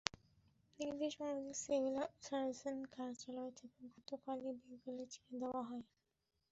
নির্দেশ অনুযায়ী civil surgeon কার্যালয় থেকে গতকালই বিকেলে চিঠি দেওয়া হয়।